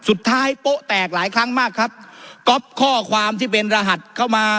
โป๊ะแตกหลายครั้งมากครับก๊อปข้อความที่เป็นรหัสเข้ามา